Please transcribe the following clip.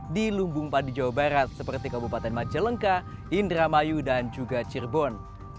di lumbung padi jawa barat seperti kabupaten majalengka indramayu dan juga cirebon